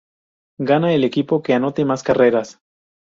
Gana el equipo que anote más carreras.